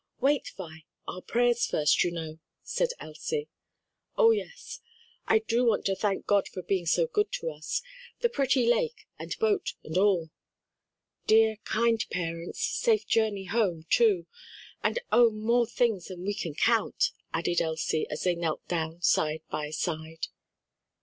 "Wait, Vi, our prayers first, you know," said Elsie. "Oh, yes! I do want to thank God for being so good to us; the pretty lake and boat and all." "Dear kind parents, safe journey home, too, and oh more things than we can count," added Elsie, as they knelt down side by side.